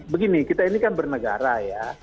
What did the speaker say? begini kita ini kan bernegara ya